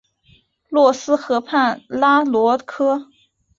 洛斯河畔拉罗科。